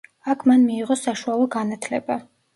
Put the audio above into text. აქ მან მიიღო საშუალო განათლება.